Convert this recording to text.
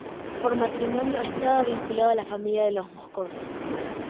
Por matrimonio estaba vinculado a la familia de los Moscoso.